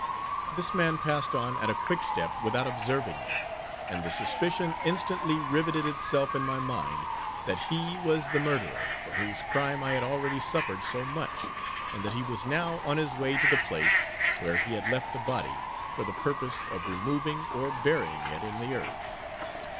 This man passed on at a quick step, without observing me; and the suspicion instantly riveted itself in my mind, that he was the murderer, for whose crime I had already suffered so much, and that he was now on his way to the place where he had left the body, for the purpose of removing, or burying it in the earth.